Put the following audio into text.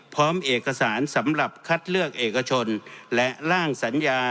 พร้อมเอกสารสำหรับคัดเลือกเอกชนและร่างสัญญา